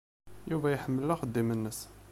Yuba iḥemmel axeddim-nnes.